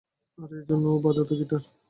আর এজন্যেই ও বাজাত গিটার।